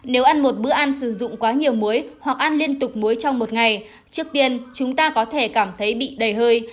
nếu ăn một bữa ăn sử dụng quá nhiều muối hoặc ăn liên tục muối trong một ngày trước tiên chúng ta có thể cảm thấy bị đầy hơi